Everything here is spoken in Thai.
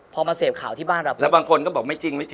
พอมาเสพข่าวที่บ้านเราแล้วบางคนก็บอกไม่จริงไม่จริง